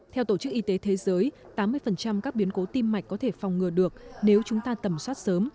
theo tổ chức y tế thế giới tám mươi các biến cố tim mạch có thể phòng ngừa được nếu chúng ta tầm soát sớm